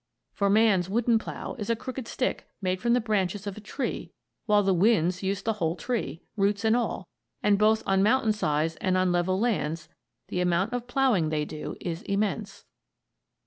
For man's wooden plough is a crooked stick made from the branches of a tree while the winds use the whole tree roots and all, and both on mountainsides and on level lands the amount of ploughing they do is immense.